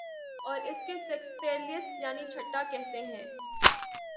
اور اسے سیکستیلیس یعنی چھٹا کہتے تھے